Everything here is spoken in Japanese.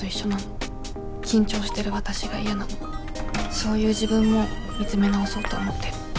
そういう自分も見つめ直そうと思ってる。